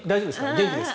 元気ですか？